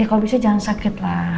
kalau bisa jangan sakit lah